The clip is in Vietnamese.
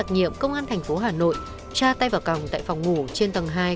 thông tin về chuyển hàng